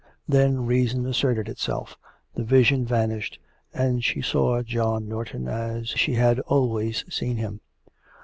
Then reason asserted itself; the vision vanished, and she saw John Norton as she had always seen him.